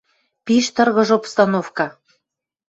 Пиш тыргыж обстановка!»